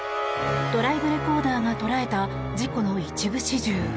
ドライブレコーダーが捉えた事故の一部始終。